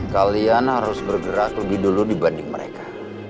kalian harus bergerak lebih dulu dibanding mereka